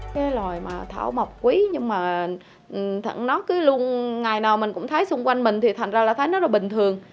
cái loài thảo mộc quý nhưng mà nó cứ luôn ngày nào mình cũng thấy xung quanh mình thì thành ra là thấy nó bình thường